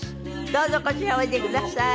どうぞこちらへおいでください。